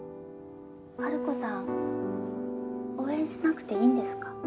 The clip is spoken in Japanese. ハルコさん応援しなくていいんですか？